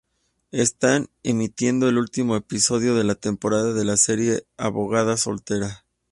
Están emitiendo el último episodio de la temporada de la serie "abogada soltera".